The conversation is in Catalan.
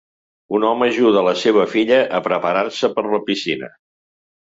Un home ajuda a la seva filla a preparar-se per la piscina.